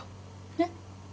えっ？